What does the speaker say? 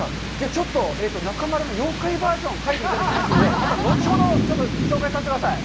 ちょっと中丸の妖怪バージョン、描いていただきますので、また後ほど紹介させてください。